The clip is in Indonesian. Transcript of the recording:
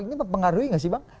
ini mengaruhi gak sih bang